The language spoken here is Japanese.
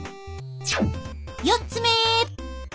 ４つ目！